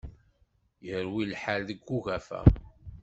Yerwi lḥal deg ugafa.